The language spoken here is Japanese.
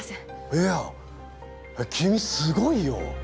いや君すごいよ。